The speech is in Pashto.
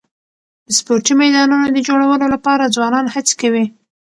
د سپورټي میدانونو د جوړولو لپاره ځوانان هڅي کوي.